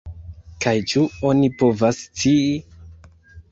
Kaj ĉu oni povas scii?